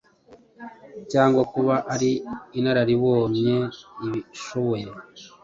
cyangwa kuba ari inararibonyeibishoboye.